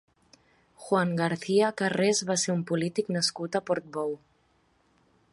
Juan García Carrés va ser un polític nascut a Portbou.